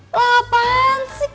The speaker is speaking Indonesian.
lha apaan sih